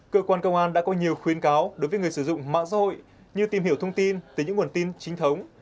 cơ quan công an đã có nhiều khuyến cáo đối với người sử dụng mạng xã hội như tìm hiểu thông tin từ những nguồn tin chính thống